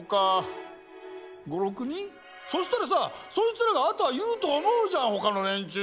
そしたらさそいつらがあとは言うと思うじゃんほかの連中に。